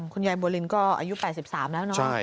คุณยายบัวลินก็อายุ๘๓แล้วเนาะ